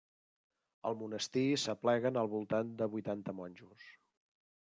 Al monestir s'apleguen al voltant de vuitanta monjos.